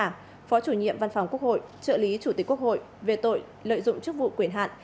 phó chủ nhiệm văn phòng quốc hội trợ lý chủ tịch quốc hội về tội lợi dụng chức vụ quyền hạn